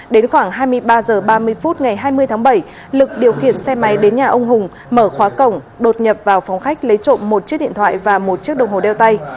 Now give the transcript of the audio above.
đến khoảng hai mươi ba h ba mươi phút ngày hai mươi tháng bảy lực điều khiển xe máy đến nhà ông hùng mở khóa cổng đột nhập vào phòng khách lấy trộm một chiếc điện thoại và một chiếc đồng hồ đeo tay